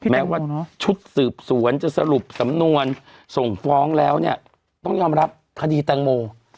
แม้ว่าชุดสืบสวนจะสรุปสำนวนส่งฟ้องแล้วเนี่ยต้องยอมรับคดีแตงโม